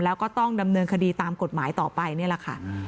แล้วก็ต้องดำเนินคดีตามกฎหมายต่อไปนี่แหละค่ะ